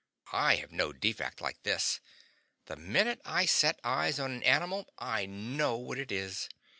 I have no defect like this. The minute I set eyes on an animal I know what it is.